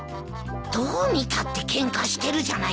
どう見たってケンカしてるじゃないか。